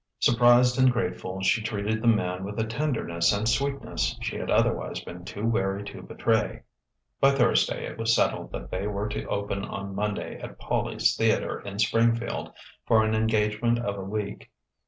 Surprised and grateful, she treated the man with a tenderness and sweetness she had otherwise been too wary to betray.... By Thursday it was settled that they were to open on Monday at Poli's Theatre in Springfield, for an engagement of a week.